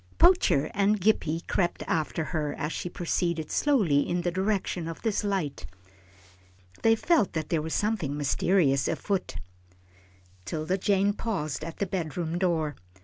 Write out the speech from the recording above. Poacher and Gippie crept after her as she proceeded slowly in the direction of this light. They felt that there was something mysterious afoot. 'Tilda Jane paused at the bedroom door.